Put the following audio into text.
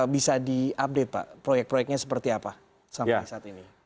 bisa diupdate pak proyek proyeknya seperti apa sampai saat ini